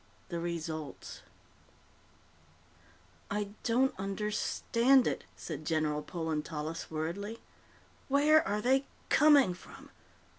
The Results "I don't understand it," said General Polan Tallis worriedly. "Where are they coming from?